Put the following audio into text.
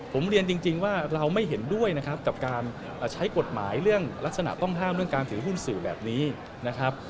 ผมเรียนจริงว่าเราไม่เห็นด้วยนะครับกับการใช้กฎหมายเรื่องลักษณะต้องห้ามเรื่องการถือหุ้นสื่อแบบนี้นะครับ